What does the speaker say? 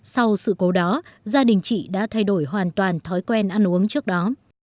sau sự cố đó gia đình chị đã thay đổi hoàn toàn thói quen ăn uống trước đó